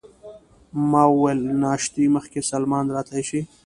ما وویل: له ناشتې مخکې سلمان راتلای شي؟